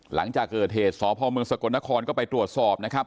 หลังจากเกิดเหตุสพเมืองสกลนครก็ไปตรวจสอบนะครับ